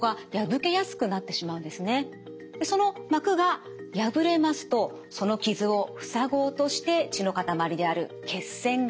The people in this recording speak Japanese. その膜が破れますとその傷を塞ごうとして血のかたまりである血栓ができます。